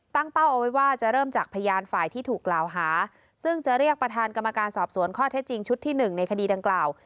เป้าเอาไว้ว่าจะเริ่มจากพยานฝ่ายที่ถูกกล่าวหาซึ่งจะเรียกประธานกรรมการสอบสวนข้อเท็จจริงชุดที่หนึ่งในคดีดังกล่าว